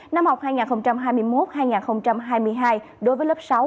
năm học hai nghìn hai mươi một hai nghìn hai mươi hai đối với lớp sáu